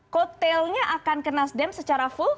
kotelnya akan ke nasdem secara full